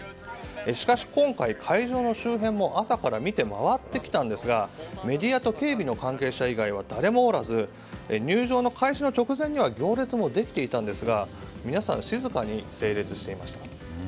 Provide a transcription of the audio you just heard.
しかし今回、会場の周辺を朝から見て回ってきたんですがメディアと警備の関係者以外は誰もおらず入場の開始の直前には行列もできていたんですが皆さん、静かに整列していました。